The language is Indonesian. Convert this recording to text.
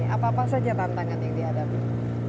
apa apa saja tantangan yang dihadapi